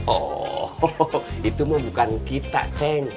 oh itu bukan kita cek